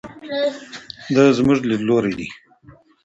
دا زموږ لیدلوری دی.